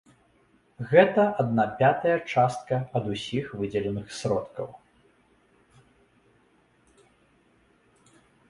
Гэта адна пятая частка ад усіх выдзеленых сродкаў.